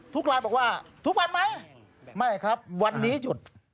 ไลน์บอกว่าทุกวันไหมไม่ครับวันนี้หยุด